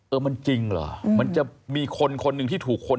มันจริงเหรอมันจะมีคนคนหนึ่งที่ถูกคน